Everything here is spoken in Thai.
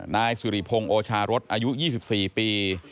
นายสุริพงศ์โอชารสอายุ๒๔ปี